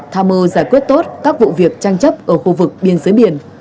tham mưu giải quyết tốt các vụ việc tranh chấp ở khu vực biên giới biển